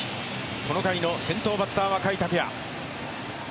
この回の先頭バッターは甲斐拓也。